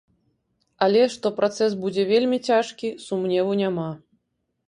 Але што працэс будзе вельмі цяжкі, сумневу няма.